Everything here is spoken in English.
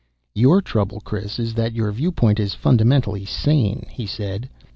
"Your trouble, Chris, is that your viewpoint is fundamentally sane," he said.